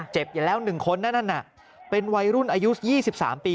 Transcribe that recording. เจ็บอย่าแล้ว๑คนน่ะเป็นวัยรุ่นอายุ๒๓ปี